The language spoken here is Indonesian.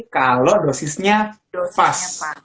kalau dosisnya pas